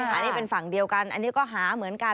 อันนี้เป็นฝั่งเดียวกันอันนี้ก็หาเหมือนกัน